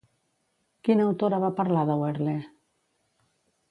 Quina autora va parlar de Wehrle?